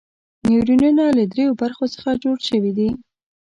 نیورونونه له دریو برخو څخه جوړ شوي دي.